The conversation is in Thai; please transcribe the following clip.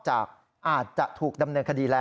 เพราะว่ามีทีมนี้ก็ตีความกันไปเยอะเลยนะครับ